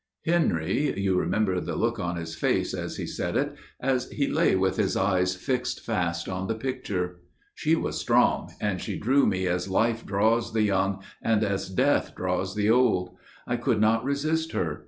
Henry, You remember the look on his face as he said it, As he lay with his eyes fixed fast on the Picture? "She was strong, and she drew me as life draws the young And as death draws the old. I could not resist her.